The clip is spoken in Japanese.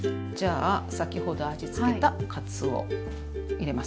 先ほど味付けたかつお入れますね。